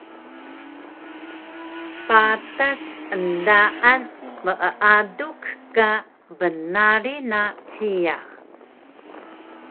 Patas endaan meaduk ka bnarig na hiya